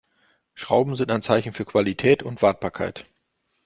Schrauben sind ein Zeichen für Qualität und Wartbarkeit.